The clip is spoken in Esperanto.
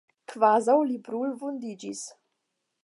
Kvazaŭ li brulvundiĝis.